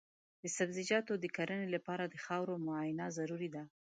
د سبزیجاتو د کرنې لپاره د خاورو معاینه ضروري ده.